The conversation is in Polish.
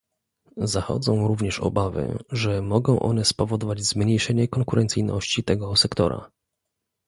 Zachodzą również obawy, że mogą one spowodować zmniejszenie konkurencyjności tego sektora